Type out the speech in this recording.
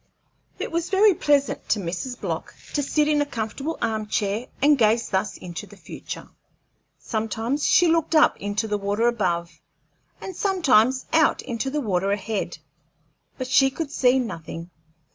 It was very pleasant to Mrs. Block to sit in a comfortable arm chair and gaze thus into the future. Sometimes she looked up into the water above, and sometimes out into the water ahead, but she could see nothing.